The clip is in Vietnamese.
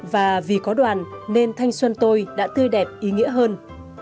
và vì có đoàn nên thanh xuân tôi đã tươi đẹp ý nghĩa hơn